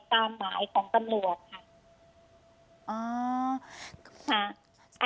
ตามหมายของตำรวจค่ะ